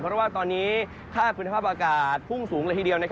เพราะว่าตอนนี้ค่าคุณภาพอากาศพุ่งสูงเลยทีเดียว